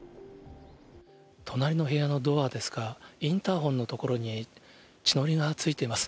隣の部屋のドアですが、インターホンの所に血のりがついています。